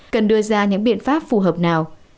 cần đưa ra những biện pháp phù hợp nào